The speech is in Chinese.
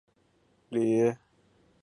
李根源早年学习旧学。